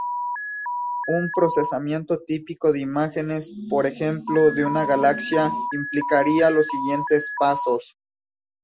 Un procesamiento típico de imágenes, por ejemplo, de una galaxia implicaría, los siguientes pasos.